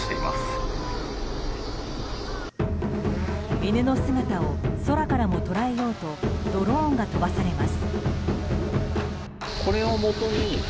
犬の姿を空からも捉えようとドローンが飛ばされます。